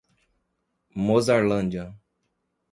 Mozarlândia